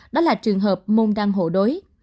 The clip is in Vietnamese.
đó là trường hợp môn đăng hộ đối